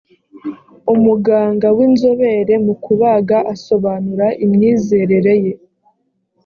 umuganga w inzobere mu kubaga asobanura imyizerere ye